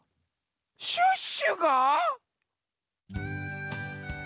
シュッシュが？